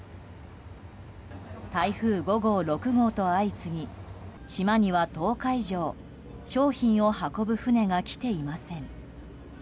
台風５号、６号と相次ぎ島には１０日以上商品を運ぶ船が来ていません。